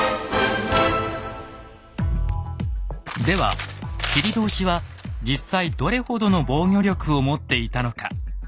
では切通は実際どれほどの防御力を持っていたのか。